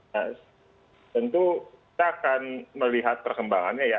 nah tentu kita akan melihat perkembangannya ya